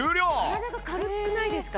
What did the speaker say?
体が軽くないですか？